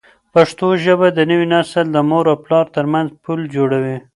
پښتو ژبه د نوي نسل د مور او پلار ترمنځ پل جوړوي.